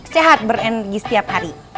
sehat berenergi setiap hari